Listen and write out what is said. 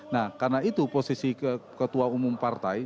nah karena itu posisi ketua umum partai